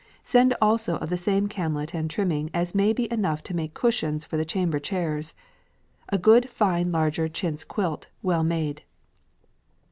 Send also of the same camlet and trimming as may be enough to make cushions for the chamber chairs. A good fine larger Chintz quilt, well made."